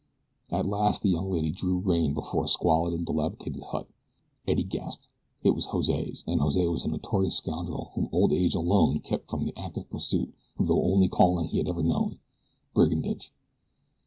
At last the young lady drew rein before a squalid and dilapidated hut. Eddie gasped. It was Jose's, and Jose was a notorious scoundrel whom old age alone kept from the active pursuit of the only calling he ever had known brigandage.